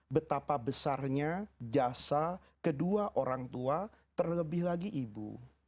betapa besarnya jasa kedua orang tua terlebih lagi ibu